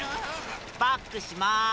バックします。